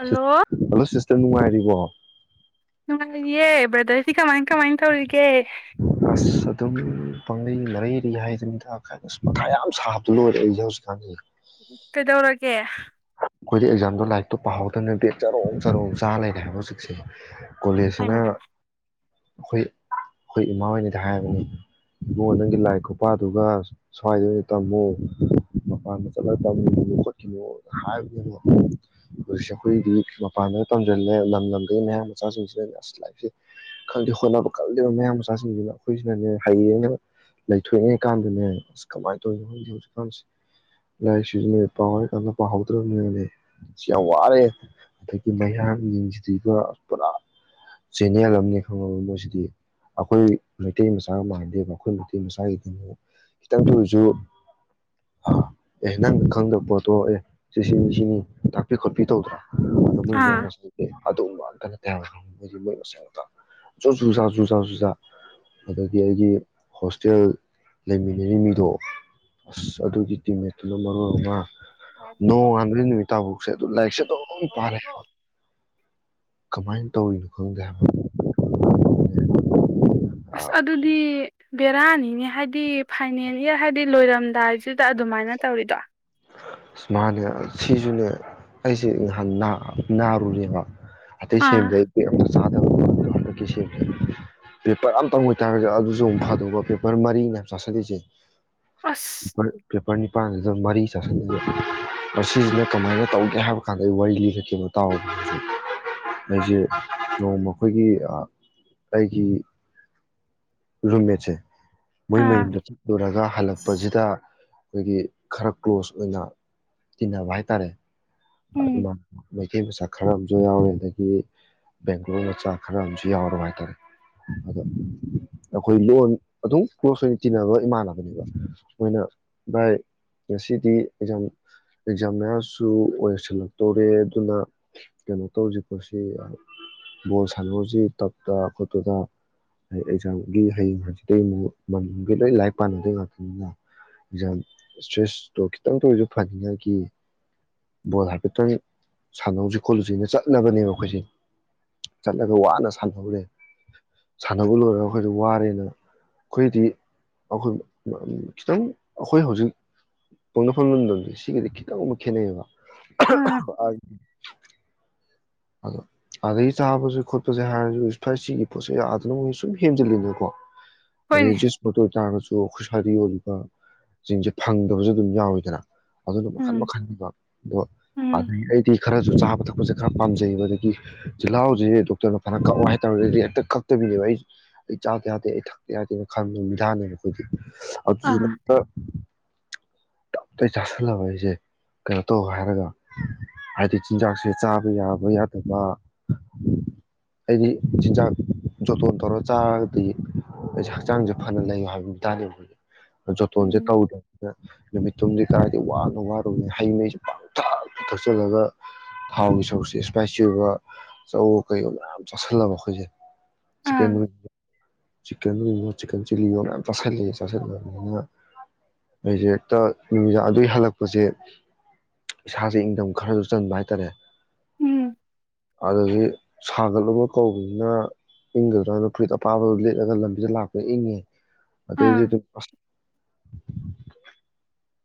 hello hello sister ꯅꯨꯡꯉꯥꯏꯔꯤꯕꯣ ꯌꯦꯦ ꯕ꯭ꯔꯗꯁꯤ ꯀ ꯃꯥ ꯀꯃꯥꯏꯅ ꯇꯧꯔꯤꯒꯦ ꯑꯁ ꯑꯗꯨꯝ ꯄꯥꯡꯒꯩ ꯃꯔꯩꯔꯤ ꯍꯥꯏꯗꯗ ꯃꯈꯥ ꯌꯥꯝ ꯁꯥꯕꯗ ꯂꯣꯏꯔꯦ ꯑꯩꯁꯦ ꯍꯧꯖꯤꯛꯀꯥꯟꯗꯤ ꯀꯩꯗꯧꯔꯒꯦ ꯑꯩꯈꯣꯏꯗ ꯑꯦꯛꯖꯥꯝꯗꯣ ꯂꯥꯏꯔꯤꯛꯇꯣ ꯄꯥꯍꯧꯗꯕ ꯅꯠꯇꯗꯤ ꯆꯔꯣꯡ ꯆꯔꯣꯡ ꯆꯥꯔ ꯂꯩꯔꯦ ꯍꯥꯏꯕ ꯍꯧꯖꯤꯛꯁꯦ ꯀꯣꯂꯦꯖꯁꯤꯅ ꯑꯩꯈꯣꯏ ꯑꯩꯈꯣꯏ ꯏꯃꯥ ꯍꯣꯏꯅꯗꯤ ꯍꯥꯏꯕꯅꯤ ꯏꯕꯨꯡ ꯃꯅꯨꯡꯪꯒꯤ ꯂꯥꯏ ꯈꯨꯄꯥꯗꯨꯒ ꯁ꯭ꯋꯥꯏꯗ ꯑꯣꯏꯅ ꯇꯝꯃꯨ ꯃꯄꯥꯟꯗ ꯆꯠꯂꯒ ꯇꯝꯃꯨ ꯈꯣꯠꯈꯤꯅꯨ ꯍꯥꯏꯕꯅꯦꯕ ꯍꯧꯖꯤꯛꯁꯦ ꯑꯩꯈꯣꯏꯗꯤ ꯃꯄꯥꯟꯗ ꯇꯝꯁꯤꯜꯂꯦ ꯂꯝ ꯂꯝꯗꯒꯤ ꯃꯌꯥꯝ ꯃꯆꯥꯁꯤꯡꯁꯤꯅꯅꯦ ꯑꯁ ꯂꯥꯏꯔꯤꯛꯁꯦ ꯈꯪꯗꯦ ꯍꯣꯠꯅꯕ ꯈꯜꯂꯤꯕ ꯃꯌꯥꯝ ꯃꯆꯥꯁꯤꯡꯁꯤꯅ ꯑꯩꯈꯣꯏꯁꯤꯅꯅꯦ ꯍꯌꯦꯡꯅ ꯂꯩꯊꯣꯛꯉꯦ ꯀꯥꯟꯗꯅꯦ ꯑꯁ ꯀꯃꯥꯏꯅ ꯇꯧꯔꯤꯅꯣ ꯈꯪꯗꯦ ꯍꯧꯖꯤꯛꯀꯥꯟꯁꯦ ꯂꯥꯏꯔꯤꯛ ꯁꯤꯖꯤꯟꯅ ꯄꯥꯎꯔ ꯍꯧꯗꯅꯦ ꯁꯤ ꯋꯥꯔꯦ ꯑꯗꯒꯤ ꯃꯌꯥꯝꯁꯤꯡꯁꯤ ꯄꯨꯔꯥ ꯆꯦꯟꯅꯦꯜ ꯑꯃ ꯈꯪꯉꯕ ꯃꯣꯏꯁꯤꯗꯤ ꯑꯩꯈꯣꯏ ꯃꯩꯇꯩ ꯃꯆꯥꯒ ꯃꯥꯟꯗꯦꯕ ꯑꯩꯈꯣꯏ ꯃꯩꯇꯩ ꯃꯆꯥꯒꯤ ꯀꯩꯅꯣ ꯈꯤꯇꯪ ꯊ ꯑꯣꯏꯔꯁꯨ ꯑꯦ ꯅꯪꯅ ꯈꯪꯗꯕ ꯄꯣꯠꯇꯣ ꯑꯦ ꯁꯤ ꯁꯤꯅꯤ ꯁꯤꯅꯤ ꯇꯥꯛꯄꯤ ꯈꯣꯠꯄꯤ ꯇꯧꯗ꯭ꯔꯥ ꯑꯗꯨꯅ ꯑꯥ ꯑꯗꯨꯒꯨꯝꯕ ꯑꯟꯇ ꯅꯠꯇ ꯍꯥꯏꯕ ꯃꯣꯏꯗꯤ ꯃꯣꯏ ꯃꯁ ꯉꯛꯇ ꯖꯣ ꯖꯨꯖꯥ ꯖꯨꯖꯥ ꯖꯨꯖꯥ ꯑꯗꯒꯤ ꯑꯩꯒꯤ ꯍꯣꯁꯇꯦꯜ ꯂꯩꯃꯤꯟꯅꯔꯤ ꯃꯤꯗꯣ ꯑꯁ ꯑꯗꯨꯒꯤ ꯇꯤꯝꯃꯦꯠꯇꯣ ꯏ ꯃꯔꯣ ꯑꯣꯃ ꯅꯣꯡꯉꯥꯟꯕꯗꯩꯩ ꯅꯨꯃꯤꯠ ꯇꯥꯐꯥꯎꯁꯦ ꯑꯗꯨ ꯂꯥꯏꯔꯤꯛꯁꯦ ꯑꯗꯨꯝ ꯄꯥꯔꯦꯕ ꯀꯃꯥꯏ ꯇꯧꯔꯤꯅꯣ ꯈꯪꯗꯦꯍꯥꯏꯕ ꯑꯁ ꯑꯗꯨꯗꯤ ꯕꯦꯔꯥꯅꯤꯅꯦ ꯍꯥꯏꯗꯤ ꯐꯥꯏꯅꯦꯜ ꯏꯌꯥꯔ ꯍꯥꯏꯗꯤ ꯂꯣꯏꯔꯝꯗꯥꯏꯁꯦ ꯑꯗꯨꯗ ꯑꯗꯨꯃꯥꯏꯅ ꯇꯧꯔꯤꯗꯣ ꯁꯨꯃꯅꯦ ꯁꯤꯁꯨꯅꯦ ꯑꯩꯁꯦ ꯅꯍꯥꯟ ꯅ ꯅꯔꯨꯔꯦꯕ ꯑꯇꯩ ꯑꯥ ꯁꯦꯝꯖꯏ ꯑꯩ ꯕꯦꯛ ꯑꯝꯇ ꯆꯥꯗꯕ ꯍꯟꯗꯛꯀꯤꯁꯦ ꯄꯦꯄꯔ ꯑꯃ ꯇꯧ ꯉꯣꯏꯇꯥꯥꯔꯒꯗꯤ ꯑꯗꯨꯁꯨ ꯑꯃꯨꯛ ꯐꯗꯧꯕ ꯄꯦꯄꯔ ꯃꯔꯤꯅꯦ ꯍꯥꯏꯕ ꯆꯥꯁꯤꯜꯂꯤꯁꯦ ꯑꯁ [unintelligible] ꯀ ꯅꯤꯄꯥꯟꯗꯨꯗ ꯃꯔꯤ ꯆꯥꯁꯤꯟ ꯃꯁꯤꯁꯤꯅ ꯀꯃꯥꯏꯅ ꯇꯧꯒꯦ ꯍꯥꯏꯕ ꯀꯥꯟꯗ ꯑꯩ ꯋꯥꯔꯤ ꯂꯤꯔꯛꯀꯦꯕ ꯇꯥꯎꯕ ꯍꯧꯖꯤꯛ ꯑꯩꯁꯦ ꯅꯣꯡꯃ ꯑꯩꯈꯣꯏꯒꯤ ꯑꯩꯒꯤ ꯔꯨꯝꯃꯦꯠꯁꯦ ꯃꯣꯏ ꯑꯥ ꯃꯌꯨꯝꯗ ꯆꯠꯂꯨꯔꯒ ꯍꯜꯂꯛꯄꯁꯤꯗ ꯑꯩꯈꯣꯏꯒꯤ ꯈꯔ ꯀ꯭ꯂꯣꯁ ꯑꯣꯏꯅ ꯇꯤꯅꯚꯥ ꯍꯥꯏꯇꯥꯔꯦ ꯎꯝ [unintelligible] ꯏꯇꯩ ꯃꯆꯥ ꯈꯔ ꯑꯃꯁꯨ ꯌꯥꯎꯔꯦ ꯑꯗꯒꯤ ꯕꯦꯡꯒ꯭ꯂꯣꯔ ꯃꯆꯥ ꯈꯔꯝꯁꯨ ꯌꯥꯎꯔ ꯍꯥꯏꯇꯥꯔꯦ ꯑꯗꯣ ꯑꯩꯈꯣꯏ ꯂꯣꯟ ꯑꯗꯨꯝ ꯀ꯭ꯂꯣꯖ ꯑꯣꯏꯅ ꯇꯤꯟꯅꯕ ꯏꯃꯥꯟꯅꯕꯅꯦꯕ ꯃꯣꯏꯅ ꯚꯥꯏ ꯉꯁꯤꯗꯤ ꯑꯦꯛꯖꯥꯝ ꯑꯦꯛꯖꯥꯝ ꯃꯌꯥꯝꯁꯨ ꯑꯣꯏ ꯂꯣꯏꯁꯤꯜꯂꯛꯇꯧꯔꯦ ꯑꯗꯨꯅ ꯀꯩꯅꯣ ꯇꯧꯁꯤꯄꯣꯠꯁꯤ ꯕꯣꯜ ꯁꯥꯟꯅꯣꯁꯤ ꯇꯞꯇ ꯈꯣꯠꯇꯗ ꯑꯦꯛꯖꯥꯝꯒꯤ ꯍꯌꯦꯡ ꯍꯥꯡꯖꯤꯠꯇꯒꯤ ꯑꯃꯨꯛ ꯃꯟꯌꯨꯡꯒꯩ ꯂꯣꯏ ꯂꯥꯏꯔꯤꯛ ꯄꯥꯅꯗꯣꯏ ꯉꯥꯛꯇꯅꯤꯅ ꯑꯦꯛꯖꯥꯝ ꯏꯁꯇ꯭ꯔꯦꯁꯇꯣ ꯈꯤꯇꯪꯇ ꯑꯣꯏꯔꯁꯨ ꯐꯅꯤꯉꯒꯤ ꯕꯣꯜ ꯍꯥꯏꯐꯦꯠꯇꯪ ꯁꯥꯟꯅꯍꯧꯁꯤ ꯈꯣꯠꯂꯨꯁꯤꯅ ꯆꯠꯂꯕꯅꯦꯕ ꯑꯩꯈꯣꯏꯁꯦ ꯆꯠꯂꯒ ꯋꯥꯅ ꯁꯥꯟꯅꯍꯧꯔꯦ ꯁꯥꯟꯅꯕ ꯂꯣꯏꯔꯒ ꯑꯩꯈꯣꯏꯗ ꯋꯥꯔꯦꯅ ꯑꯩꯈꯣꯏꯗꯤ ꯑꯩꯈꯣꯏ ꯈꯤꯇꯪ ꯑꯩꯈꯣꯏ ꯍꯧꯖꯤꯛ ꯄꯣꯛꯅꯐꯝ ꯂꯝꯗꯝꯁ ꯁꯤꯒꯗꯤ ꯈꯤꯇꯪ ꯑꯃꯨꯛ ꯈꯦꯠꯅꯩꯑꯕ ꯑꯥ [unintelligible] ꯑꯗꯣ ꯑꯥꯗꯒꯤ ꯆꯥꯕꯁꯦ ꯈꯣꯠꯄꯁꯦ ꯍꯥꯏꯔꯁꯨ ꯐꯥꯏ ꯁꯤꯒꯤ ꯄꯣꯠꯁ ꯌꯥꯗꯅ ꯃꯣꯏ ꯁꯨꯝ ꯍꯦꯟꯖꯤꯜꯂꯤꯅꯀꯣ ꯍꯣꯏꯅꯦ ꯑꯗꯩꯩ ꯖꯦꯁ ꯃꯇꯣ ꯇꯔꯒꯥꯁꯨ ꯈꯨꯠꯁꯥꯏꯗ ꯌꯣꯜꯂꯤꯕ ꯆꯤꯡꯁꯦ ꯐꯪꯗꯕꯁꯨ ꯑꯗꯨꯝ ꯌꯥꯎꯋꯤꯗꯅ ꯑꯗꯨꯅ ꯃꯈꯟ ꯎꯝ ꯃꯈꯜꯅꯤꯕ ꯑꯗꯣ ꯎꯝ ꯑꯗꯒꯤ ꯑꯩꯗꯤ ꯈꯔꯁꯨ ꯆꯥꯕ ꯊꯛꯄꯁꯦ ꯈꯔ ꯄꯥꯝꯖꯩꯌꯦꯕ ꯑꯗꯒꯤ ꯆꯤꯜꯍꯥꯎꯁꯦ ꯗꯣꯛꯇꯔꯅ ꯐꯅ ꯀꯛꯑꯣ ꯍꯥꯏꯇꯥꯔꯗꯤ ꯍꯦꯛꯇ ꯀꯛꯇꯕꯤꯅꯦꯕ ꯑꯩ ꯑꯩ ꯆꯥꯗ ꯌꯥꯗꯦ ꯑꯩ ꯊꯛꯇ ꯌꯥꯗꯦꯅ ꯈꯟꯕ ꯃꯤꯗꯥꯅꯦꯕ ꯑꯩꯈꯣꯏꯗꯤ ꯑ ꯑꯥ [unintelligible] ꯇꯞꯇꯩ ꯆꯥꯥꯁꯜꯂꯕ ꯑꯩꯁꯦ ꯀꯩꯅꯣ ꯇꯧ ꯍꯥꯏꯔꯒ ꯍꯥꯏꯗꯤ ꯆꯤꯟꯖꯥꯛꯁꯦ ꯆꯥꯕ ꯑꯗꯨ ꯌꯥꯕ ꯌꯥꯗꯕ ꯑꯩꯗꯤ ꯆꯤꯟꯖꯥꯛ ꯖꯣꯇꯣꯟ ꯇꯧꯔ ꯆꯥꯔꯒꯗꯤ ꯑꯩꯁ ꯍꯛꯆꯥꯡꯁꯦ ꯐꯅ ꯂꯩꯌꯣ ꯍꯥꯏꯕ ꯃꯤꯇꯥꯅꯤ ꯑꯩꯈꯣꯏꯗ ꯖꯣꯇꯣꯟꯁꯦ ꯎꯝ ꯇꯧꯗꯝ ꯅ ꯅꯨꯃꯤꯠ ꯇꯨꯝꯗꯤ ꯀꯗꯥꯏꯗꯒꯤ ꯋꯥꯅ ꯋꯥꯔꯨꯕꯅꯤ ꯍꯩꯉꯩꯁꯦ ꯄꯪꯊꯥꯛ ꯊꯛꯆꯜꯂꯒ ꯊꯥꯎꯒꯤ ꯆꯧꯁꯦ ꯏꯁꯄꯥꯏꯁꯤ ꯑꯣꯏꯕ ꯆꯧꯣ ꯀꯩꯒꯣ ꯃꯌꯥꯝ ꯆꯥꯥꯁꯜꯂꯕ ꯑꯩꯈꯣꯏꯁꯦ ꯆꯤꯛꯀꯟ ꯑꯥ ꯋꯤ ꯆꯤꯛꯀꯟ ꯋꯤꯑꯣ ꯆꯤꯛꯀꯟ ꯆꯤꯜꯂꯤ ꯌꯣ ꯃꯌꯥꯝ ꯆꯥꯁꯤꯜꯂꯛꯑꯦ ꯆꯥꯁꯤꯜꯂꯕꯅꯤꯅ ꯑꯩꯁꯦ ꯍꯦꯛꯇ ꯅꯨꯃꯤꯗꯥꯡ ꯑꯗꯨꯒꯤ ꯍꯜꯂꯛꯄꯁꯦ ꯏꯁꯥꯁꯦ ꯏꯟꯊꯝ ꯈꯔꯁꯨ ꯆꯟꯕ ꯍꯥꯏꯇꯥꯔꯦ ꯎꯝ ꯑꯗꯨꯗꯒꯤ ꯁꯥꯒꯠꯂꯨꯕ ꯀꯧꯕꯅꯤꯅ ꯏꯪꯒꯗ꯭ꯔꯥꯅ ꯐꯨꯔꯤꯠ ꯑꯄꯥꯕꯗꯨ ꯂꯤꯠꯂꯒ ꯂꯝꯕꯤꯗ ꯂꯥꯛꯄ ꯏꯪꯉꯦ ꯑꯗꯩꯩꯁꯨ ꯑꯥ ꯗꯨꯝ ꯑꯁ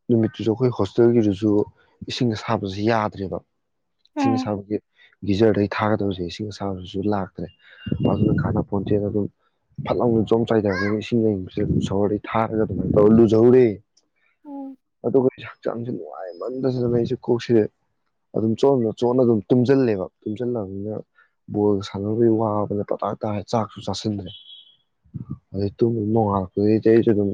ꯅꯨꯃꯤꯠꯇꯨꯁꯨ ꯑꯩꯈꯣꯏ ꯍꯣꯁꯇꯦꯜꯒꯤꯗꯨꯁꯨ ꯏꯁꯤꯡ ꯑꯁꯥꯕꯁ ꯌꯥꯗ꯭ꯔꯦꯕ ꯏꯁꯤꯡ ꯎꯝ ꯑꯁꯥꯕꯒꯤ ꯒꯤꯖꯔꯗꯩ ꯊꯥꯒꯗꯕꯁꯦ ꯏꯁꯤꯡ ꯑꯁꯥꯕꯁꯤꯁꯨ ꯂꯥꯛꯇ꯭ꯔꯦ ꯑꯗꯨꯅ ꯍꯥꯟꯅ ꯄꯣꯟꯁꯦꯜꯗ ꯑꯗꯨꯝ ꯐꯠ ꯂꯥꯎꯅ ꯖꯣꯝ ꯆꯥꯏꯊꯔꯒꯅ ꯏꯁꯤꯡ ꯌꯡꯕꯁꯦ ꯑꯗꯨꯝ ꯁꯣꯍꯣꯔꯗꯩ ꯊꯥꯔꯒ ꯑꯗꯨꯃꯥꯏꯅ ꯇꯧꯔ ꯂꯨꯖꯧꯔꯦ ꯎꯝ ꯑꯠꯇ ꯀ ꯍꯛꯆꯥꯡꯁ ꯅꯨꯡꯉꯥꯏꯃꯟꯗꯁꯤꯂꯝꯕ ꯑꯩꯁꯨ ꯀꯣꯛꯁꯤꯗꯦ ꯑꯗꯨꯝ ꯆꯝ ꯆꯣꯟꯠꯅ ꯑꯗꯨꯝ ꯇꯨꯝꯁꯤꯜꯂꯦꯕ ꯇꯨꯝꯁꯤꯜꯂꯅꯤꯅ ꯕꯣꯜꯒ ꯁꯥꯟꯅꯕꯒꯤ ꯋꯥꯕꯅ ꯄꯇꯥ ꯇꯥꯔ ꯆꯥꯛꯁꯨ ꯆꯥꯁꯤꯟꯗ꯭ꯔꯦ ꯑꯗꯩ ꯇꯨꯝꯕ ꯅꯣꯡꯉꯥꯜꯂꯛꯄꯗꯩꯗꯤ ꯑꯩꯁꯨ ꯑꯗꯨꯝ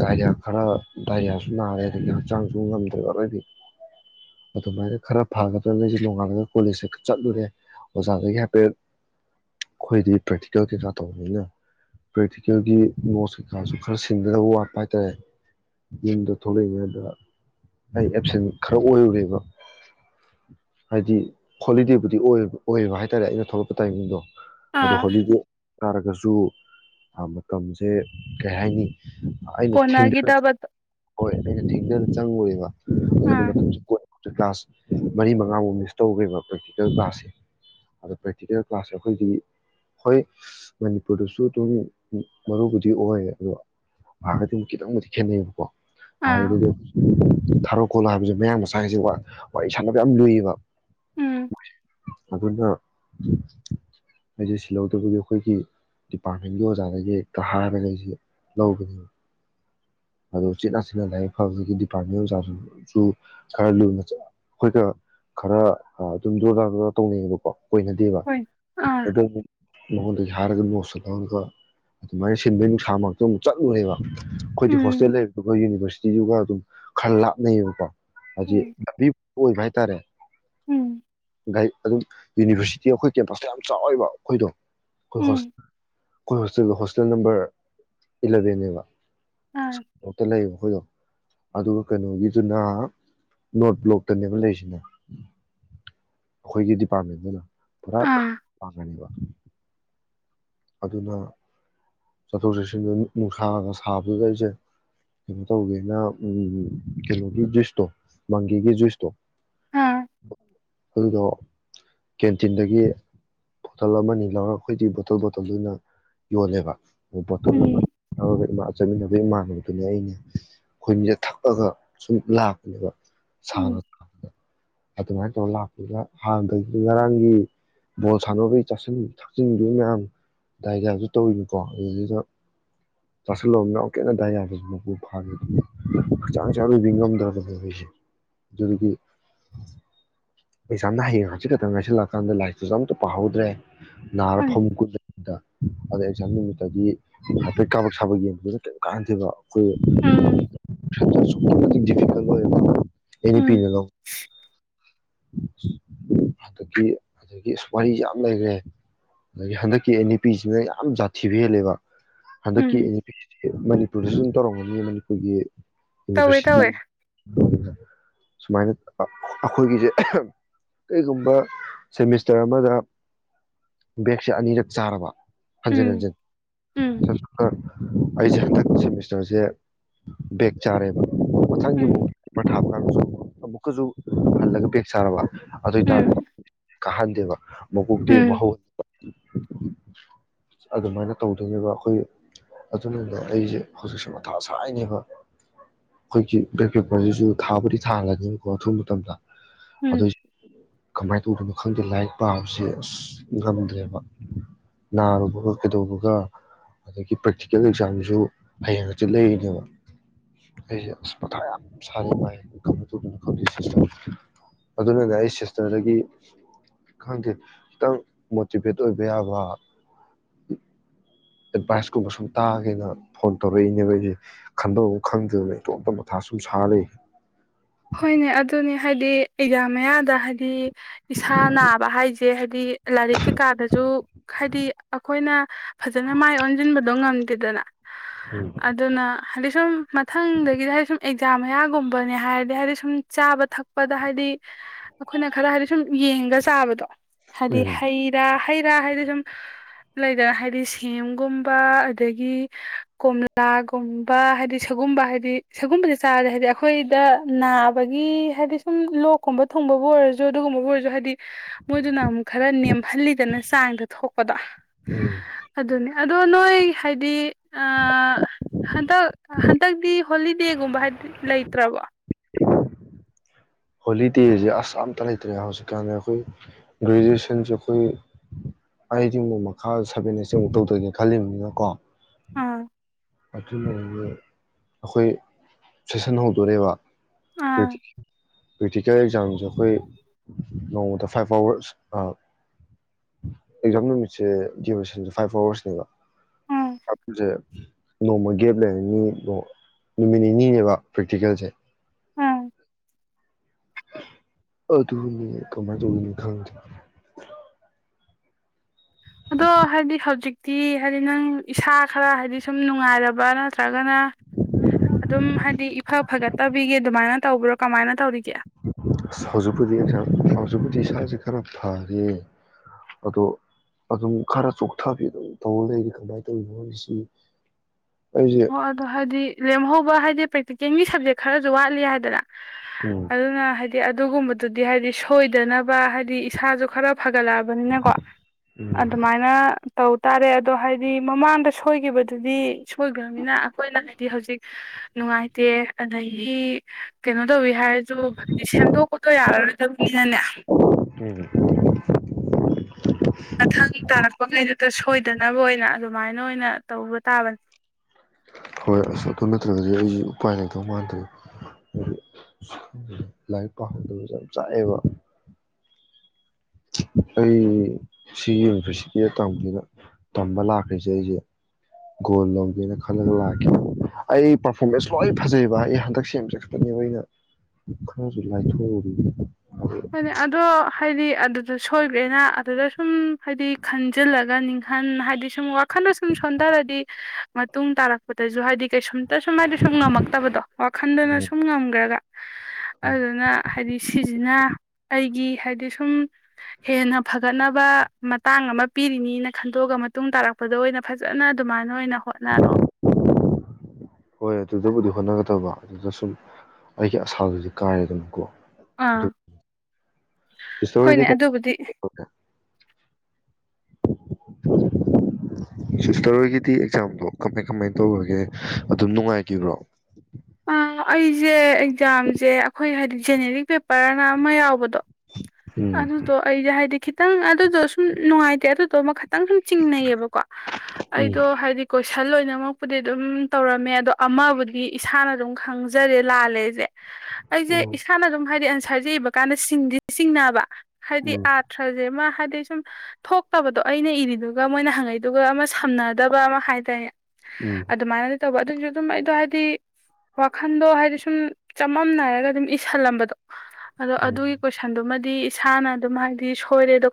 ꯗꯥꯏꯔꯤꯌꯥ ꯈꯔ ꯗꯥꯏꯔꯤꯌꯥꯁꯨ ꯅꯥꯔꯦ ꯑꯗꯒꯤ ꯍꯛꯆꯥꯡꯁꯨ ꯉꯝꯗ꯭ꯔꯦꯕ ꯑꯔꯣꯏꯗꯤ ꯑꯗꯨꯃꯥꯏꯅ ꯈꯔ ꯐꯒꯗꯅ ꯂꯩꯁꯦ ꯅꯣꯡꯉꯥꯜꯂꯒ ꯀꯣꯂꯦꯖꯇ ꯆꯠꯂꯨꯔꯦ ꯑꯣꯖꯥꯗꯒꯤ ꯍꯥꯏꯐꯦꯠ ꯑꯩꯈꯣꯏꯗꯤ ꯄ꯭ꯔꯦꯛꯇꯤꯀꯦꯜ ꯀꯩꯀꯥ ꯇꯧꯕꯅꯤꯅ ꯄ꯭ꯔꯦꯛꯇꯤꯀꯦꯜꯒꯤ ꯅꯣꯠꯁ ꯀꯩꯀꯥꯁꯨ ꯈꯔ ꯁꯤꯟꯒꯗꯕ ꯋꯥꯠꯄ ꯍꯥꯏꯇꯥꯔꯦ ꯌꯨꯝꯗ ꯊꯣꯛꯂꯛꯏꯉꯩꯗ ꯑꯩ ꯑꯦꯞꯁꯦꯟ ꯈꯔ ꯑꯣꯏꯔꯨꯔꯦꯕ ꯍꯥꯏꯗꯤ ꯍꯣꯂꯤꯗꯦꯕꯨꯗꯤꯕ ꯑꯣꯏꯌꯦꯕ ꯍꯥꯏꯇꯥꯔꯦ ꯑꯩꯅ ꯊꯂꯛꯄ ꯇꯥꯏꯃꯤꯡꯗꯣ ꯑꯗ ꯑꯥ ꯍꯣꯂꯤꯒꯤ ꯇꯥꯔꯒꯁꯨ ꯃꯇꯝꯁꯦ ꯀꯩ ꯍꯥꯏꯅꯤ ꯑꯩꯅ ꯊꯔ ꯀꯣꯟꯅꯈꯤꯗꯕꯗꯣ ꯍꯣꯏ ꯑꯩꯅ ꯊꯦꯡꯔ ꯆꯪꯨ ꯑꯣꯏꯔꯤꯕ ꯑꯥ ꯑꯗꯨ ꯃꯔꯤ ꯃꯉꯥꯐꯥꯎ ꯃꯤꯁ ꯇꯧꯒꯦꯕ ꯄ꯭ꯔꯦꯛꯇꯤꯀꯦꯜ ꯀ꯭ꯂꯥꯁꯁꯦ ꯑꯗꯣ ꯄ꯭ꯔꯦꯛꯇꯤꯀꯦꯜ ꯀ꯭ꯂꯥꯁꯁꯦ ꯑꯩꯈꯣꯏꯗꯤ ꯍꯣꯏ ꯃꯅꯤꯄꯨꯔꯗꯁꯨ ꯑꯗꯨꯝ ꯃꯔꯨꯕꯨꯗꯤ ꯑꯣꯏ ꯑꯗꯣ ꯃꯥꯔꯒꯗꯤ ꯑꯃꯨꯛ ꯈꯤꯇꯪꯕꯗꯤ ꯈꯦꯠꯅꯩꯕꯀꯣ ꯑ ꯏꯗ ꯑꯥ ꯑꯗꯨ ꯊꯥꯔꯣ ꯀꯣꯜ ꯍꯥꯏꯕꯕꯁꯤꯦ ꯃꯌꯥꯡ ꯃꯆꯥꯥꯏꯁꯤ ꯋꯥ ꯋꯥꯔꯤ ꯁꯥꯟꯅꯕ ꯌꯥꯝ ꯂꯨꯏꯌꯦꯕ ꯎꯝ ꯑꯗꯨꯅ ꯑꯩꯁꯨ ꯁꯤꯜꯍꯧꯗꯕꯒꯤ ꯑꯩꯈꯣꯏꯒꯤ ꯗꯤꯄꯥꯔꯠꯃꯦꯟꯒꯤ ꯑꯣꯖꯥꯗꯒꯤ ꯍꯦꯛꯛꯇ ꯍꯥꯏꯔꯗꯅ ꯑꯩꯁꯤꯦ ꯂꯧꯕꯅꯦꯕ ꯑꯗꯣ ꯁꯤꯤꯅꯥ ꯆꯤꯅ ꯂꯥꯏꯔꯤꯛ ꯐꯕꯒꯤ ꯗꯤꯄꯥꯔꯠꯃꯦꯟ ꯑꯣꯖꯥꯁꯤꯡꯁꯨ ꯈꯔ ꯂꯨꯅ ꯑꯩꯈꯣꯏꯒ ꯈꯔ ꯑꯗꯨꯝ ꯗꯖꯣꯗꯥ ꯗꯗꯥ ꯇꯧꯅꯩꯌꯦꯕꯀꯣ ꯑꯣꯏꯅꯅꯗꯦꯕ ꯍꯣꯏ ꯑꯥ ꯑꯗꯨ ꯃꯉꯣꯟꯗꯒꯤ ꯍꯥꯏꯔꯒ ꯅꯣꯁꯇ ꯂꯧꯔꯒ ꯑꯗꯨꯃꯥꯏꯅ ꯁꯤꯟꯕꯩ ꯅꯨꯡꯁꯥ ꯃꯔꯛꯇꯤ ꯑꯃꯨꯛ ꯆꯠꯂꯨꯔꯦꯕ ꯑꯩꯈꯣꯏꯗꯤ ꯍꯣ ꯎꯝ ꯆꯦ ꯌꯨꯅꯤꯔ ꯁꯤꯗꯨꯒ ꯑꯗꯨꯝ ꯈꯔ ꯂꯥꯞꯅꯩꯌꯦꯕꯀꯣ ꯍꯥꯏꯗꯤ ꯎꯝ ꯒꯥꯔꯤ ꯑꯣꯏꯕ ꯍꯥꯏꯇꯥꯔꯦ ꯎꯝ ꯑꯗꯨꯝ ꯌꯨꯅꯤꯚꯔꯁꯤꯇꯤ ꯑꯩꯈꯣꯏ ꯀꯦꯝꯄꯁꯇ ꯌꯥꯝ ꯆꯥꯎꯋꯦꯕ ꯑꯩꯈꯣꯏꯗꯣ ꯑꯩꯈꯣꯏ ꯎꯝ ꯍꯁ ꯑꯩꯈꯣꯏ ꯍꯣꯁꯇꯦꯜ ꯍꯣꯁꯇꯦꯜ ꯅꯝꯕꯔ ꯏꯂꯚꯦꯟꯅꯦꯕ ꯑꯝ ꯣꯛꯇ ꯂꯩꯌꯦꯕ ꯑꯩꯈꯣꯏꯗꯣ ꯑꯗꯨꯒ ꯀꯩꯅꯣꯒꯤꯗꯨꯅ ꯅꯣꯔꯠ ꯕ꯭ꯂꯣꯛꯇꯅꯦꯕ ꯂꯩꯁꯤꯅꯦ ꯑꯩꯈꯣꯏꯒꯤ ꯗꯤꯄꯥꯔꯠꯃꯦꯟꯗꯨꯅ ꯄꯨꯔꯥ ꯑ ꯈꯅꯤꯕ ꯑꯗꯨꯅ ꯆꯠꯊꯣꯛ ꯆꯠꯁꯤꯟꯗ ꯅꯨꯡꯁꯥꯒ ꯁꯥꯕꯒ ꯑꯩꯁꯦ ꯀꯩꯅꯣ ꯇꯧꯒꯦꯅ ꯀꯩꯅꯣꯒꯤ ꯖꯨꯏꯁꯇꯣ ꯃꯪꯒꯤꯒꯤ ꯖꯨꯏꯁꯇꯣ ꯍꯥꯥ ꯑꯗꯨꯗꯣ ꯀꯦꯟꯇꯤꯟꯗꯒꯤ ꯕꯣꯇꯜ ꯑꯃꯅꯤ ꯑꯅꯤ ꯂꯧꯔꯒ ꯑꯩꯈꯣꯏꯗꯤ ꯕꯣꯇꯜ ꯕꯣꯇꯜꯗꯨꯅ ꯌꯣꯜꯂꯦꯕ ꯄ ꯎꯝ ꯆꯠꯃꯤꯟꯅꯕ ꯏꯃꯥꯟꯅꯕꯗꯨꯅꯦ ꯑꯩꯅ ꯑꯩꯈꯣꯏ ꯃꯤꯗ ꯊꯛꯑꯒ ꯁꯨꯝ ꯂꯥꯛꯄꯅꯦꯕ ꯁ ꯊ ꯑꯗꯨꯃꯥꯏꯅ ꯇꯧꯔ ꯂꯥꯛꯄꯗꯨꯗ ꯍꯥꯟꯅꯗꯒꯤꯗꯤ ꯉꯔꯥꯡꯒꯤ ꯕꯣꯜ ꯁꯥꯟꯅꯕꯩ ꯆꯥꯁꯤꯟ ꯊꯛꯆꯤꯟꯗꯒꯤ ꯃꯌꯥꯝ ꯑꯗꯨꯗꯥꯏ ꯀꯌꯥꯁꯨ ꯇꯧꯋꯤꯅꯤꯀꯣ ꯑꯩꯗ ꯆꯥꯁꯤꯜꯂꯅ ꯌꯥꯝ ꯀꯦꯠꯅꯗꯥ ꯌꯥꯕꯁ ꯃꯄꯨ ꯐꯥꯉ ꯍꯛꯆꯥꯡ ꯍꯆꯥꯡ ꯑꯣꯏꯕꯤ ꯉꯝꯗ꯭ꯔꯕ ꯃꯣꯏꯁꯦ ꯑꯗꯨꯗꯤ ꯑꯦꯖꯥꯅ ꯍꯌꯦꯡ ꯉꯦ ꯈꯛꯇꯪ ꯉꯥꯏꯁꯜꯂꯀꯥꯟꯗ ꯂꯥꯏꯔꯤꯛꯨꯁꯨ ꯑꯝꯇ ꯄꯥꯍꯗ꯭ꯔꯦ ꯅꯥꯔ ꯎꯝ ꯐꯝ ꯀꯗ ꯑꯗ ꯑꯦꯛꯖꯥꯝ ꯅꯨꯃꯤꯠꯇꯗꯤ ꯑꯩ ꯀꯥꯕꯛ ꯁꯥꯕ ꯌꯦꯡꯕꯗ ꯀꯔꯤꯝ ꯀꯥꯍꯟꯊꯦꯕ ꯑꯩꯈꯣꯏ ꯎꯝ ꯃꯇꯤꯛ ꯗꯤꯐꯤꯀꯜ ꯑꯣꯏꯌꯦꯕ ꯑꯦꯅꯤ ꯎꯝ ꯄꯤꯅ ꯂꯧ ꯑ ꯍꯟꯛꯀꯤ ꯑꯗꯒꯤ ꯑꯁ ꯋꯥꯔꯤꯁ ꯌꯥꯝ ꯂꯩꯈ꯭ꯔꯦ ꯑꯗꯒꯤ ꯍꯟꯗꯛꯀꯤ ꯑꯦꯅꯤꯄꯤꯤꯁꯤꯅ ꯌꯥꯝ ꯖꯥꯊꯤꯕ ꯍꯦꯜꯂꯦꯕ ꯎꯝ ꯍꯟꯗꯛꯀꯤꯅꯤ ꯇꯔꯤꯗꯁꯟ ꯇꯧꯔꯝꯒꯅꯤ ꯃꯅꯤꯄꯨꯔꯒꯤ ꯇꯧꯋꯦ ꯁꯤ ꯇꯧꯋꯦ ꯁꯨꯃꯥꯏꯅ ꯑꯩꯈꯣꯏꯒꯤꯁꯦ ꯀꯩꯒꯨꯝꯕ ꯁꯦꯃꯤꯁꯇꯔ ꯑꯃꯗ ꯕꯦꯛꯁꯦ ꯑꯅꯤꯔꯛ ꯆꯥꯔꯕ ꯍꯖꯤ ꯍ ꯎꯝ ꯆ ꯎꯝ ꯑꯩ ꯁꯦꯃꯤꯁꯇꯔꯁꯦ ꯕꯦꯛ ꯆꯥꯔꯦꯕ ꯃꯊꯪꯒꯤ ꯃꯣ ꯎꯝ ꯄꯊꯥꯞ ꯁꯨꯜꯂꯒꯦ ꯁꯥꯔꯕꯥ ꯑꯗꯨ ꯑꯣꯏꯇꯥꯔ ꯎꯝ ꯀꯥꯍꯟꯗꯦꯕ ꯃꯀꯨꯀꯤ ꯎꯝ ꯃꯍꯥꯎ ꯑꯗꯨꯃꯥꯏꯅ ꯇꯧꯗꯣꯏꯅꯦꯕ ꯑꯩꯈꯣꯏ ꯑꯗꯨꯅꯅꯦ ꯑꯩꯁꯦ ꯍꯧꯖꯤꯛꯁꯦ ꯃꯊꯥ ꯁꯥꯏꯅꯦꯕ ꯑꯩꯈꯣꯏꯒꯤ ꯕꯦꯛ ꯄꯦꯄꯔꯁꯤꯁꯨ ꯊꯥꯕꯨꯗꯤ ꯊꯥꯂꯅꯦꯕꯀꯣ ꯑꯊꯨꯕ ꯃꯇꯝꯗ ꯑꯗꯨ ꯎꯝ ꯀꯃꯥꯏꯅ ꯇꯧꯗꯅꯣ ꯈꯪꯗꯦ ꯂꯥꯏꯔꯤꯛ ꯄꯥꯕꯕꯁꯤꯦ ꯑꯁ ꯉꯝꯗ꯭ꯔꯦꯕ ꯅꯥꯔꯨꯕꯒ ꯀꯩꯗꯧꯕꯒ ꯑꯗꯒꯤ ꯄ꯭ꯔꯦꯛꯇꯤꯀꯦꯜ ꯑꯦꯛꯖꯥꯝꯁꯨ ꯍꯌꯦꯡ ꯆꯠ ꯂꯩꯔꯤꯅꯦꯕ ꯑꯩꯁꯦ ꯑꯁ ꯃꯊꯥ ꯌꯥꯝ ꯁꯥꯖ ꯃꯥꯏ ꯀꯃꯥꯏꯅ ꯇꯧꯗꯅꯣ ꯈꯪꯗꯦ ꯁꯤꯁꯇꯦꯝ ꯑꯗꯨꯅꯅꯦ ꯑꯩ ꯁꯤꯁꯇꯔꯗꯒꯤ ꯈꯪꯗꯦ ꯈꯤꯇꯪ ꯃꯣꯇꯤꯚꯦꯠ ꯑꯣꯏꯕ ꯌꯥꯕ ꯑꯦꯠꯚꯥꯏꯁꯀꯨꯝꯕ ꯁꯨꯝ ꯇꯥꯒꯦꯅ ꯐꯣꯟ ꯇꯧꯔꯛꯏꯅꯦꯕ ꯑꯩꯁꯦ ꯈꯟꯗꯕ ꯑꯃ ꯈꯪꯗꯕꯅꯦ ꯑꯩꯇꯣ ꯑꯝꯇ ꯃꯊꯥ ꯁꯨꯝ ꯁꯥꯔ ꯍꯣꯏꯅꯦ ꯑꯗꯨꯅꯦ ꯍꯥꯏꯗꯤ ꯑꯦꯗꯤꯌꯥ ꯃꯌꯥꯗ ꯍꯥꯏꯗꯤ ꯏꯁꯥ ꯅꯥꯕ ꯍꯥꯏꯁꯤ ꯁꯦ ꯍꯥꯏꯗꯤ ꯂꯥꯏꯔꯤꯛ ꯀꯩꯀꯥꯗꯁꯨ ꯍꯥꯏꯗꯤ ꯑꯩꯈꯣꯏꯅ ꯐꯖꯅ ꯃꯥꯏ ꯑꯣꯟꯁꯤꯟꯕꯗꯣ ꯉꯝ ꯗꯅ ꯎꯝ ꯑꯗꯨꯅ ꯍꯥꯏꯗꯤ ꯁꯨꯝ ꯃꯊꯪꯗꯒꯤꯗꯤ ꯍꯥꯏꯗꯤ ꯁꯨꯝ ꯑꯦꯛꯖꯥꯝ ꯍꯌꯥꯒꯨꯝꯕꯅꯦ ꯍꯥꯏꯔ ꯍꯥꯏꯗꯤ ꯁꯨꯝ ꯆꯥꯕ ꯊꯛꯄꯗ ꯍꯥꯏꯗꯤ ꯑꯩꯈꯣꯏꯅ ꯈꯔ ꯍꯥꯏꯗꯤ ꯁꯨꯝ ꯌꯦꯡꯉꯁꯤ ꯇꯥꯕꯗꯣ ꯑꯗꯤ ꯎꯝ ꯍꯩꯔꯥ ꯍꯩ ꯔꯥ ꯍꯥꯏꯗꯤ ꯁꯨꯝ ꯂꯩꯗꯅ ꯍꯥꯏꯗꯤ ꯁꯦꯝꯒꯨꯝꯕ ꯑꯗꯒꯤ ꯀꯣꯝꯂꯥꯒꯨꯝꯕ ꯍꯥꯏꯗꯤ ꯁꯒꯨꯝꯕ ꯍꯥꯏꯗꯤ ꯁꯒꯨꯝꯕꯁꯦ ꯆꯥꯔꯗꯦ ꯍꯥꯏꯗꯤ ꯑꯩꯈꯣꯏꯗ ꯅꯥꯕꯒꯤ ꯍꯥꯏꯗꯤ ꯁꯨꯝ ꯂꯣꯛꯀꯨꯝꯕ ꯊꯨꯡꯕꯕꯨ ꯑꯣꯏꯔꯁꯨ ꯑꯗꯨꯒꯨꯝꯕꯕꯨ ꯑꯣꯏꯔꯁꯨ ꯍꯥꯏꯗꯤ ꯃꯣꯏꯗꯨꯅ ꯑꯃꯨꯛ ꯈꯔ ꯅꯦꯝꯍꯜꯂꯤꯗꯅ ꯆꯥꯡꯗ ꯊꯣꯛꯄꯗ ꯎꯝ ꯑꯗꯨꯅꯤ ꯑꯗꯣ ꯅꯣꯏ ꯍꯥꯏꯗꯤ ꯍꯟꯗꯛ ꯍꯟꯗꯛꯇꯤ ꯍꯣꯂꯤꯗꯦꯒꯨꯝꯕ ꯍꯥꯏꯗꯤ ꯂꯩꯇ꯭ꯔꯕꯣ ꯍꯣꯂꯤꯗꯦꯁꯦ ꯑꯁ ꯑꯝꯇ ꯂꯩꯇ꯭ꯔꯦ ꯍꯧꯖꯤꯛꯀꯥꯟꯗ ꯑꯩꯈꯣꯏ ꯒ꯭ꯔꯦꯖꯨꯑꯦꯁꯟꯁꯦ ꯑꯩꯈꯣꯏ ꯑꯩꯗꯤꯕ ꯃꯈꯥ ꯁꯚꯦꯟ ꯑꯩꯁꯦ ꯑꯃꯨꯛ ꯇꯧꯗꯒꯦ ꯈꯜꯂꯤꯕꯅꯤꯅ ꯀꯣ ꯑꯥ ꯑꯗꯨ ꯑꯩꯈꯣꯏ ꯁꯦꯁꯟ ꯍꯧꯗꯣꯣꯔꯦꯕ ꯑꯥ ꯄꯔꯥꯇꯤꯀꯤ [inaudible] ꯄ꯭ꯔꯦꯛꯇꯤꯀꯦꯜ ꯑꯦꯛꯖꯥꯝꯁꯦ ꯑꯩꯈꯣꯏ ꯅꯣꯡꯃꯗ ꯐꯥꯏꯚ ꯑꯥꯋꯔꯁ ꯑꯦꯛꯖꯥꯝ ꯅꯨꯃꯤꯠꯁꯦ ꯗ꯭ꯌꯨꯔꯦꯁꯟꯁꯦ ꯐꯥꯏꯚ ꯎꯝ ꯑꯥꯋꯔꯁꯅꯦꯕꯁꯦ ꯅꯣꯡꯃ ꯒꯦꯞ ꯂꯩꯔꯅꯤ ꯅꯨꯃꯤꯠ ꯅꯤꯅꯤꯅꯦꯕ ꯄ꯭ꯔꯦꯛꯇꯤꯀꯦꯜꯁꯦ ꯎꯝ ꯑꯗꯨꯅꯤ ꯀꯃꯥꯏ ꯑꯗꯨꯅꯤ ꯈ ꯑꯗꯣ ꯍꯥꯏꯗꯤ ꯍꯧꯖꯤꯛ ꯇꯤ ꯍꯥꯏꯗꯤ ꯅꯪ ꯏꯁꯥ ꯈꯔ ꯍꯥꯏꯗꯤ ꯁꯨꯝ ꯅꯨꯡꯉꯥꯏꯔꯕ ꯅꯠꯇ꯭ꯔꯒꯅ ꯑꯗꯨꯝ ꯍꯥꯏꯗꯤ ꯏꯐ ꯐꯒꯠꯇꯕꯤꯒꯦ ꯑꯗꯨꯃꯥꯏꯅ ꯇꯧꯕꯤꯔꯣ ꯀꯃꯥꯏꯅ ꯇꯧꯔꯤꯒꯦ ꯑꯁ ꯍꯧꯖꯤꯛꯄꯨꯗꯤꯥ ꯍꯧꯖꯤꯛꯄꯨꯗꯤ ꯏꯁꯥꯁꯦ ꯈꯔ ꯐꯔꯦ ꯑꯗꯣ ꯑꯗꯨꯝ ꯈꯔ ꯆꯣꯛꯊꯕꯤ ꯑꯗꯨꯝ ꯇꯧ ꯂꯩꯔꯤ ꯀꯃꯥꯏꯅ ꯇꯧꯔꯤꯅꯣꯁꯤ ꯑꯣ ꯑꯗꯣ ꯍꯥꯏꯗꯤ ꯂꯦꯝꯍꯧꯕ ꯍꯥꯏꯗꯤ ꯄ꯭ꯔꯦꯛꯇꯤꯀꯦꯜꯒꯤ ꯁꯕꯖꯦꯛ ꯈꯔꯁꯨ ꯋꯥꯠꯂꯤ ꯍꯥꯏꯗꯅ ꯎꯝ ꯑꯗꯨꯅ ꯍꯥꯏꯗꯤ ꯑꯗꯨꯒꯨꯝꯕꯗꯨꯗꯤ ꯍꯥꯏꯗꯤ ꯁꯣꯏꯗꯅꯕ ꯍꯥꯏꯗꯤ ꯏꯁꯥꯁꯨ ꯈꯔ ꯐꯒꯠꯂꯛꯑꯕꯅꯤꯅꯀꯣ ꯎꯝ ꯑꯗꯨꯃꯥꯏꯅ ꯇꯧ ꯇꯥꯔꯦ ꯑꯗꯣ ꯍꯥꯏꯗꯤ ꯃꯃꯥꯡꯗ ꯁꯣꯏꯈꯤꯕꯗꯨꯗꯤ ꯑꯣꯏꯣꯏꯈ꯭ꯔꯕꯅꯤꯅ ꯑꯩꯈꯣꯏꯅ ꯍꯥꯏꯗꯤ ꯍꯧꯖꯤꯛ ꯅꯨꯡꯉꯥꯏꯇꯦ ꯑꯗꯒꯤ ꯀꯩꯅꯣ ꯇꯧꯋꯤ ꯍꯥꯏꯔꯁꯨ ꯁꯦꯝꯗꯣꯛ ꯈꯣꯠꯇꯣ ꯌꯥꯔꯔꯣꯏꯗ ꯎꯝ ꯃꯊꯪ ꯇꯥꯔꯛꯄ ꯉꯩꯗꯨꯗ ꯁꯣꯏꯗ ꯐꯗꯅꯕ ꯑꯣꯏꯅ ꯑꯗꯨꯃꯥꯏꯅ ꯑꯣꯏꯅ ꯇꯧꯕ ꯇꯥꯕꯅꯦ ꯍꯣꯏ ꯑꯁ ꯑꯗꯨ ꯅꯠꯇ꯭ꯔꯒꯗꯤ ꯑꯩꯁ ꯎꯄꯥꯏ ꯂꯩꯇꯕ ꯃꯥꯟꯗꯦ ꯂꯥꯏꯔꯤꯛ ꯄꯥꯍꯟꯗꯕꯁꯨ ꯌꯥꯝ ꯆꯥꯛꯑꯦꯕ ꯑꯩ ꯁꯤꯒꯤ ꯌꯨꯅꯤꯚꯔꯁꯤꯇꯤꯗ ꯇꯝꯅ ꯇꯝꯕ ꯂꯥꯛꯈ꯭ꯔꯤꯁꯦ ꯑꯩꯁꯦ ꯒꯣꯜ ꯂꯧꯒꯦꯅ ꯈꯜꯂꯒ ꯂꯥꯛꯀꯦ ꯑꯩ ꯄꯥꯔꯐꯣꯔꯃꯦꯟꯁ ꯂꯣꯏ ꯐꯖꯩꯕ ꯑꯩ ꯍꯟꯗꯛ ꯁꯦꯝ ꯆꯠꯄꯅꯦꯕ ꯑꯩꯅ ꯈꯔꯁꯨ ꯂꯥꯏꯊꯣꯛꯎꯔꯤ ꯍꯥꯏꯅꯤ ꯑꯗꯣ ꯍꯥꯏꯗꯤ ꯑꯗꯨ ꯑꯗꯨ ꯁꯣꯏꯈ꯭ꯔꯦꯅ ꯑꯗꯨꯗ ꯁꯨꯝ ꯍꯥꯏꯗꯤ ꯈꯟꯖꯤꯜꯂꯒ ꯅꯤꯡꯍꯟ ꯍꯥꯏꯗꯤ ꯁꯨꯝ ꯋꯥꯈꯜꯗꯣ ꯁꯨꯝ ꯁꯣꯟꯊꯔꯗꯤ ꯃꯇꯨꯡ ꯇꯥꯔꯛꯄꯗꯁꯨ ꯍꯥꯏꯗꯤ ꯏꯁꯦ ꯁꯨꯝꯇ ꯁꯨꯝ ꯃꯥ ꯍꯥꯏꯗꯤ ꯁꯨꯝ ꯉꯝꯃꯛꯇꯕꯗꯣ ꯋꯥꯈꯟꯗꯨꯅ ꯁꯨꯝ ꯉꯝꯈ꯭ꯔꯒ ꯑꯗꯨꯅ ꯍꯥꯏꯗꯤ ꯁꯤꯁꯤꯅ ꯑꯩꯒꯤ ꯍꯥꯏꯗꯤ ꯁꯨꯝ ꯍꯦꯟꯅ ꯐꯒꯠꯅꯕ ꯃꯇꯥꯡ ꯑꯃ ꯄꯤꯔꯤꯅꯤꯅ ꯈꯟꯗꯣꯛꯑꯒ ꯃꯇꯨꯡ ꯇꯥꯔꯛꯄꯗ ꯑꯣꯏꯅ ꯐꯖꯅ ꯑꯗꯨꯃꯥꯏꯅ ꯑꯣꯏꯅ ꯣꯠꯅꯔꯣ ꯍꯣꯏ ꯑꯗꯨꯗꯕꯨꯗꯤ ꯍꯣꯠꯅꯒꯗꯕ ꯑꯗꯨꯗ ꯁꯨꯝ ꯑꯩꯒꯤ ꯑꯁꯥꯗꯨꯗꯤ ꯀꯥꯏꯔꯦꯗꯅꯀꯣ ꯑꯥ ꯑꯗꯨ ꯁꯤꯁꯇꯔ ꯍꯣꯏꯅꯦ ꯍꯣꯏꯗꯤ ꯀꯃꯥꯏ ꯑꯗꯨꯕꯨꯗꯤ ꯇꯧꯒꯦ ꯁꯤꯁꯇꯔ ꯍꯣꯏꯒꯤꯗꯤ ꯑꯦꯛꯖꯥꯝꯗꯣ ꯀꯃꯥꯏ ꯀꯃꯥꯏ ꯇꯧꯒꯦ ꯑꯗꯨꯝ ꯅꯨꯡꯉꯥꯏꯈꯤꯕ꯭ꯔꯣ ꯑꯩꯁꯦ ꯑꯦꯛꯖꯥꯝꯁꯦ ꯑꯩꯈꯣꯏ ꯍꯥꯏꯗꯤ ꯖꯦꯅꯦꯔꯤꯛ ꯄꯦꯄꯔꯅ ꯑꯃ ꯌꯥꯎꯕꯗꯣ ꯎꯝ ꯑꯗꯨꯗꯣ ꯑꯩꯗꯤ ꯍꯥꯏꯗꯤꯈꯤ ꯈꯤꯇꯪ ꯑꯗꯨꯗꯣ ꯁꯨꯝ ꯅꯨꯡꯉꯥꯏꯇꯦ ꯑꯗꯨꯗ ꯃꯈ ꯈꯤꯇꯪ ꯆꯤꯡꯅꯩꯌꯦꯕꯀꯣ ꯎꯝ ꯑꯩꯗꯣ ꯍꯥꯏꯗꯤ ꯀ ꯇꯨꯏꯁꯟ ꯂꯣꯏꯅꯃꯛꯄꯨꯗꯤ ꯑꯗꯨꯝ ꯇꯧꯔꯝꯃꯦ ꯑꯗꯣ ꯑꯃꯕꯨꯗꯤ ꯏꯁꯥꯅ ꯑꯗꯨꯝ ꯈꯪꯖꯔꯦ ꯂꯥꯜꯂꯦꯁꯦ ꯑꯩꯁꯦ ꯏꯁꯥꯅ ꯑꯗꯨꯝ ꯍꯥꯏꯗꯤꯟ ꯊꯥꯖꯛꯏꯕ ꯀꯥꯟꯗ ꯁꯤꯡꯁꯤ ꯆꯤꯡꯅꯕ ꯎꯝ ꯍꯥꯏꯗꯤ ꯎꯝ ꯑꯥꯊ꯭ꯔꯁꯦ ꯃꯥ ꯍꯥꯏꯗꯤ ꯁꯨꯝ ꯊꯣꯛꯇꯕꯗꯣ ꯑꯩꯅ ꯏꯔꯤꯗꯨꯒ ꯃꯣꯏꯅ ꯍꯪꯉꯛꯏꯗꯨꯒ ꯑꯃ ꯁꯝꯅꯗꯕ ꯑꯃ ꯍꯥꯏꯇꯥꯔꯦ ꯎꯝ ꯑꯗꯨꯗ ꯃꯅꯗꯤ ꯇꯧꯕ ꯑꯗꯨꯏꯁꯨ ꯑꯗꯨꯝ ꯑꯩꯗꯣ ꯍꯥꯏꯗꯤ ꯋꯥꯈꯟꯗꯣ ꯍꯥꯏꯗꯤ ꯁꯨꯝ ꯆꯃꯝꯅꯔꯒ ꯑꯗꯨꯝ ꯏꯁꯁꯤꯜꯂꯝꯕꯗꯣ ꯑꯗꯣ ꯎꯝ ꯑꯗꯨꯒꯤ ꯀ ꯑꯃꯗꯤ ꯏꯁꯥꯅ ꯑꯗꯨꯝ ꯍꯥꯏꯗꯤ ꯁꯣꯏꯔꯦ ꯑꯗꯣ